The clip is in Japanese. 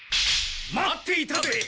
待っていたぜ！